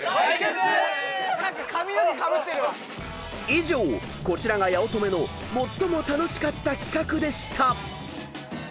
［以上こちらが八乙女の最も楽しかった企画でした］